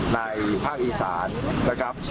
ภาคอีสานนะครับ